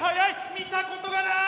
見たことがない！